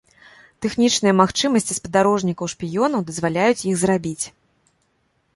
Тэхнічныя магчымасці спадарожнікаў-шпіёнаў дазваляюць іх зрабіць.